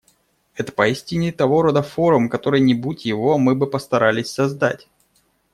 Это поистине того рода форум, который, не будь его, мы бы постарались создать.